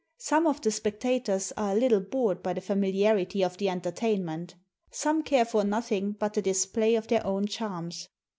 Some of the specta tors are a little bored by the familiarity of the entertain ment. Some care for nothing but the display of their own charms.